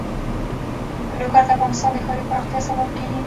لوگر د افغانستان د ښاري پراختیا سبب کېږي.